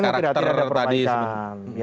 kalau ini tidak ada perbaikan